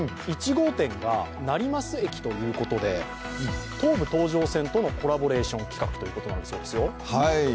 １号店が成増駅ということで、東武東上線とのコラボレーション企画ということなんだそうですよ。